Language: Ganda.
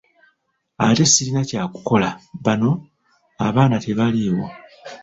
Ate sirina kya kukola bano abaana tebaliwo.